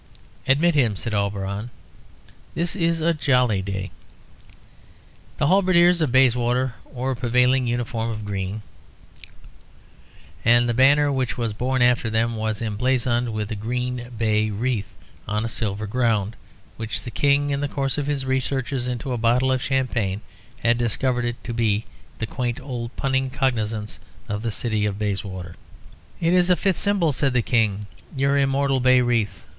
"Admit him," said Auberon. "This is a jolly day." The halberdiers of Bayswater wore a prevailing uniform of green, and the banner which was borne after them was emblazoned with a green bay wreath on a silver ground, which the King, in the course of his researches into a bottle of champagne, had discovered to be the quaint old punning cognisance of the city of Bayswater. "It is a fit symbol," said the King, "your immortal bay wreath.